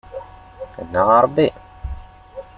Annaɣ a Ṛebbi!